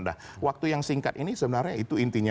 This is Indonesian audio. nah waktu yang singkat ini sebenarnya itu intinya